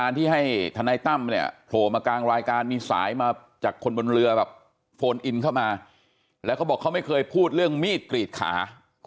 นี่ค่ะคือขุนอัจฎิรยาพูดเหมือนกับว่าเตรียมกันรึเปล่า